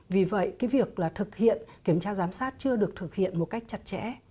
vì vậy cái việc là thực hiện kiểm tra giám sát chưa được thực hiện một cách chặt chẽ